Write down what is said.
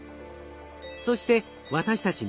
そして私たち